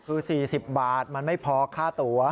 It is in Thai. คือ๔๐บาทมันไม่พอค่าตัว